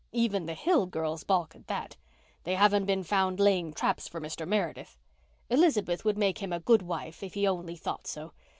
Even the Hill girls balk at that. They haven't been found laying traps for Mr. Meredith. Elizabeth would make him a good wife if he only thought so.